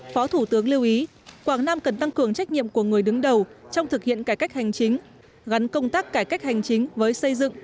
phó thủ tướng lưu ý quảng nam cần tăng cường trách nhiệm của người đứng đầu trong thực hiện cải cách hành chính gắn công tác cải cách hành chính với xây dựng